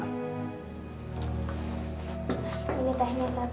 ini tehnya satu